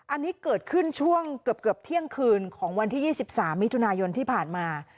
อันนี้เกิดขึ้นช่วงเกือบเที่ยงคืนของวันที่๒๓มิถุนายนที่ผ่านมา